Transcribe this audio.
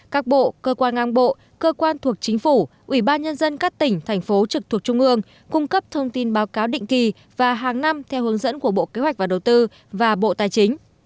các bộ cơ quan ngang bộ cơ quan thuộc chính phủ ủy ban nhân dân các tỉnh thành phố trực thuộc trung ương cung cấp thông tin báo cáo định kỳ và hàng năm theo hướng dẫn của bộ kế hoạch và đầu tư và bộ tài chính